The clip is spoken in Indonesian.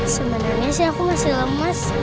sebenarnya sih aku masih lemas